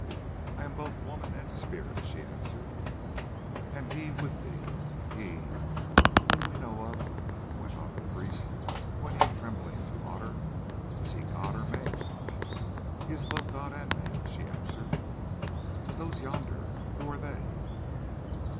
"I am both woman and spirit," she answered. "And he with thee, he whom we know of"—went on the priest, pointing tremblingly to Otter—"is he god or man?" "He is both god and man," she answered. "And those yonder; who are they?"